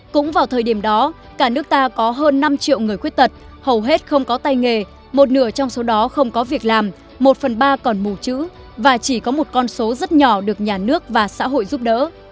cũng vào thời điểm đó cả nước ta có hơn năm triệu người khuyết tật hầu hết không có tay nghề một nửa trong số đó không có việc làm một phần ba còn mù chữ và chỉ có một con số rất nhỏ được nhà nước và xã hội giúp đỡ